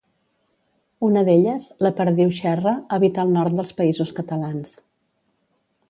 Una d'elles, la perdiu xerra, habita el nord dels Països Catalans.